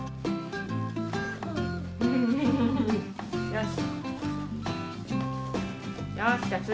よし。